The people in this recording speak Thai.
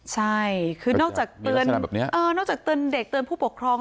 ใช่คือนอกจากเตือนมีลักษณะแบบเนี้ยเออนอกจากเตือนเด็กเตือนผู้ปกครอง